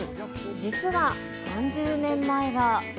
実は、３０年前は。